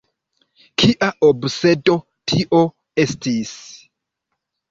Kia obsedo tio estis?